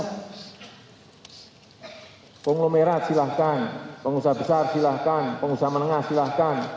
konglomerat silahkan pengusaha besar silahkan pengusaha menengah silahkan